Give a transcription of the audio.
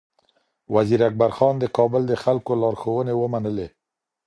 وزیر اکبر خان د کابل د خلکو لارښوونې ومنلې.